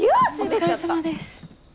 お疲れさまです。